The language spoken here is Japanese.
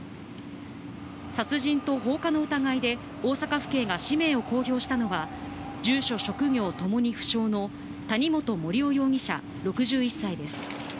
殺人と放火の疑いで大阪府警が氏名を公表したのは、住所・職業ともに不詳の谷本盛雄容疑者、６１歳です。